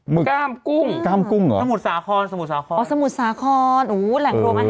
อ๋อสมุดสาครแหล่งโทรมาอาหารทะเล